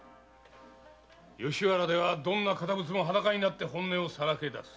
吉原ではどんな堅物も裸になって本音をさらけ出す。